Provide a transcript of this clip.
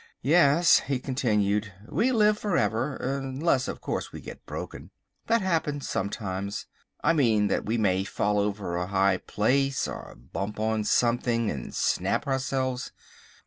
Yes," he continued, "we live for ever, unless, of course, we get broken. That happens sometimes. I mean that we may fall over a high place or bump on something, and snap ourselves.